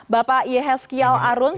bapak iehes kial arun